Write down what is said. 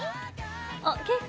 あっ結構。